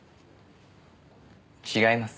違います。